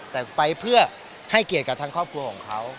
แต่ไปเพื่อให้เกียรติกับทางครอบครัวของเขา